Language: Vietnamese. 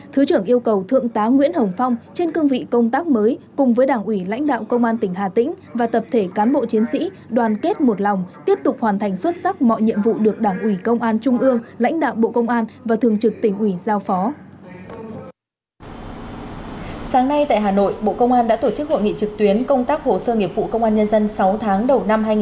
thứ trưởng yêu cầu thượng tá nguyễn hồng phong trên cương vị công tác mới cùng với đảng ủy lãnh đạo công an tỉnh hà tĩnh và tập thể cán bộ chiến sĩ đoàn kết một lòng tiếp tục hoàn thành xuất sắc mọi nhiệm vụ được đảng ủy công an trung ương lãnh đạo bộ công an và thường trực tỉnh ủy giao phó